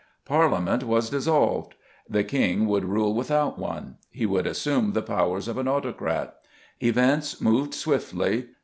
Parliament was dissolved the King would rule without one; he would assume the powers of an autocrat. Events moved swiftly.